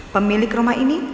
pemilik rumah ini